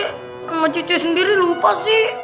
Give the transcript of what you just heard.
kakek sama cucu sendiri lupa sih